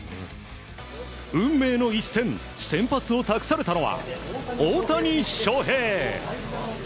運命の一戦先発を託されたのは大谷翔平。